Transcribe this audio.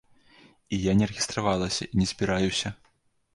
І я не рэгістравалася і не збіраюся.